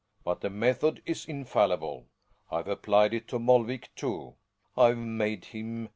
But the method is infallible. I've applied it to Molvik, too. I've made him " d.